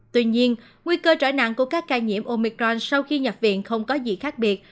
tuy nhiên nguy cơ trở nặng của các ca nhiễm omicron sau khi nhập viện không có gì khác biệt